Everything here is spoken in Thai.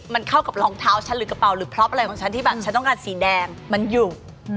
มันเข้ากับรองเท้าฉันหรือกระเป๋าหรือพล็อปอะไรของฉันที่แบบฉันต้องการสีแดงมันอยู่